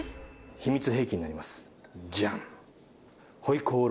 秘密兵器になります。